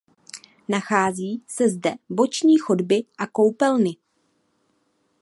Nachází se zde boční chodby a koupelny.